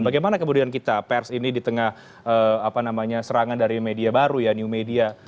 bagaimana kemudian kita pers ini di tengah apa namanya serangan dari media baru ya new media